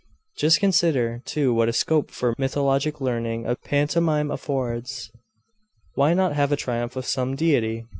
'Just consider, too, what a scope for mythologic learning a pantomime affords. Why not have a triumph of some deity?